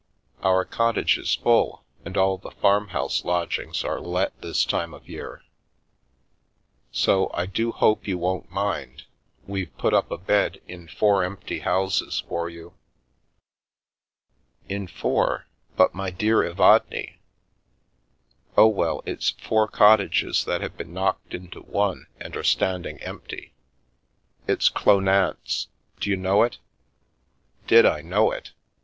Our cottage is full, and all the farmhouse lodgings are let this time of year. So — I do hope you won't mind — we've put up a bed in four empty houses for you." " In four ! But, my dear Evadne "" Oh, well, it's four cottages that have been knocked into one and are standing empty. It's Clownance. D'you know it ?" Did I know it?